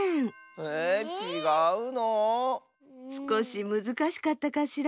えちがうの⁉すこしむずかしかったかしら。